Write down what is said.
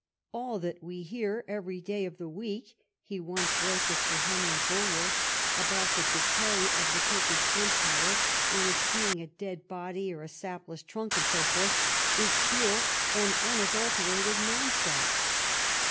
" All that we hear every day of the week, he once wrote to Sir Henry Bulwer, " about the decay of the Turkish £mpire, and its being a dead body or a sapless trunk, and so forth, is pure and un adulterated nonsense.